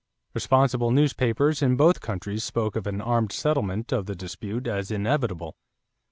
Responsible newspapers in both countries spoke of an armed settlement of the dispute as inevitable.